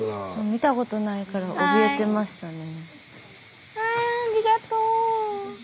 見たことないからおびえてましたね。